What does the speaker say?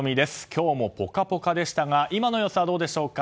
今日もポカポカでしたが今の様子はどうでしょうか？